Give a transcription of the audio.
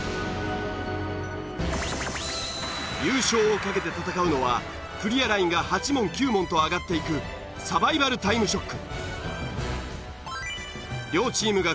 優勝をかけて戦うのはクリアラインが８問９問と上がっていくサバイバルタイムショック。